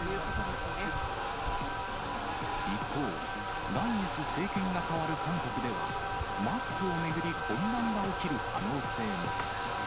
一方、来月政権が代わる韓国では、マスクを巡り、混乱が起きる可能性も。